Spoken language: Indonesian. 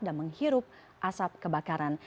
dan menghirup asap kebakaran